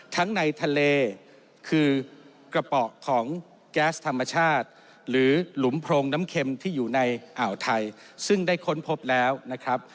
ทั้งในทะเลคือกระเป๋าของแก๊สธรรมชาติหรือหลุมโพรงน้ำเข็มที่อยู่ในอ่าวไทยซึ่งได้ค้นพบแล้วนะครับ